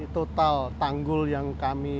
total tanggul yang kami